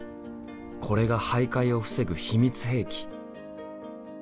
これが徘徊を防ぐ秘密兵器。